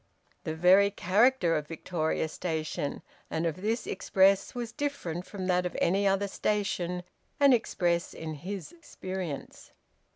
The very character of Victoria Station and of this express was different from that of any other station and express in his experience.